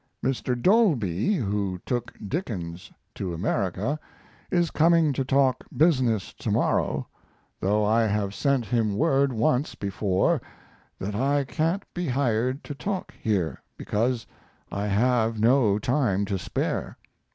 Mr. Dolby, who took Dickens to America, is coming to talk business tomorrow, though I have sent him word once before that I can't be hired to talk here; because I have no time to spare.